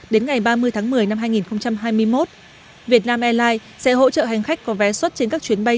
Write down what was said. đến ngày ba mươi tháng một mươi năm hai nghìn hai mươi một việt nam airlines sẽ hỗ trợ hành khách có vé xuất trên các chuyến bay